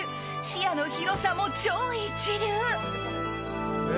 視野の広さも超一流。